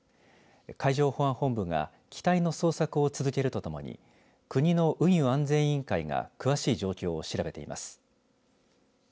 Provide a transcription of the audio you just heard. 海上保安本部が機体の捜索を続けるとともに国の運輸安全委員会が詳しい状況を調べています。